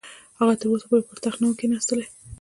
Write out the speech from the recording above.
هغه تر اوسه پورې پر تخت نه وو کښېنستلی.